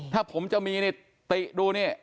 ถ้าผมจะกำจัดที่ติดูนี่